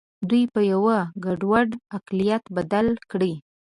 دوی په یوه ګډوډ اقلیت بدل کړي.